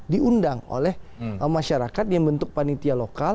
diundang oleh masyarakat yang bentuk panitia lokal